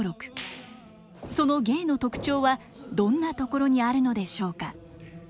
その芸の特徴はどんなところにあるのでしょうか。